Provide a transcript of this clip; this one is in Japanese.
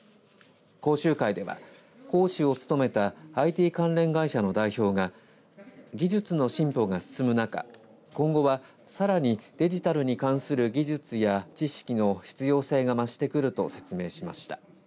講習会では講師を務めたＩＴ関連会社の代表が技術の進歩が進む中今後はさらにデジタルに関する技術や知識の必要性が増してくると説明しました。